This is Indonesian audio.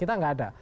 kita nggak ada